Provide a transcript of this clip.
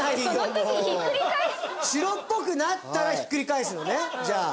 白っぽくなったらひっくり返すのねじゃあ。